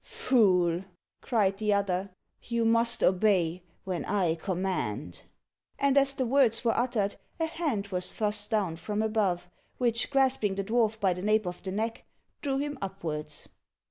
"Fool!" cried the other. "You must obey when I command." And as the words were uttered, a hand was thrust down from above, which, grasping the dwarf by the nape of the neck, drew him upwards.